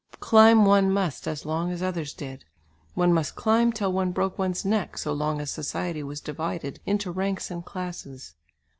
Climb one must as long as others did; one must climb till one broke one's neck, so long as society was divided into ranks and classes.